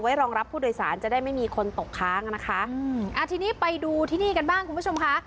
รองรับผู้โดยสารจะได้ไม่มีคนตกค้างอ่ะนะคะอืมอ่าทีนี้ไปดูที่นี่กันบ้างคุณผู้ชมค่ะ